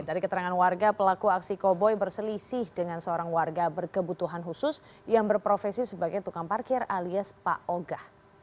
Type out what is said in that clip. dari keterangan warga pelaku aksi koboi berselisih dengan seorang warga berkebutuhan khusus yang berprofesi sebagai tukang parkir alias pak oga